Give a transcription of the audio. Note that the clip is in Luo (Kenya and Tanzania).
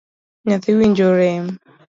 Nyathi winjo rem?